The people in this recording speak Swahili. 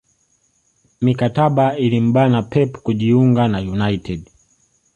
Mikataba ilimbana Pep kujiunga na united